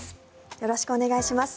よろしくお願いします。